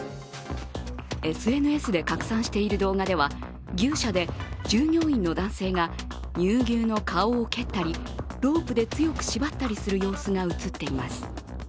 ＳＮＳで拡散している動画では牛舎で従業員の男性が乳牛の顔を蹴ったり、ロープで強く縛ったりする様子が映っています。